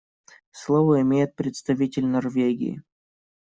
Слово имеет представитель Норвегии.